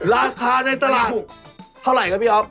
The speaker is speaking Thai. ราคาในตลาดเท่าไหร่ครับพี่อ๊อฟ